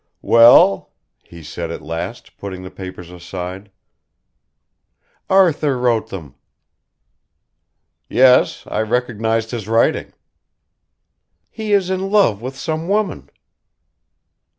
"Well?" he said at last, putting the papers aside. "Arthur wrote them." "Yes.... I recognised his writing." "He is in love with some woman."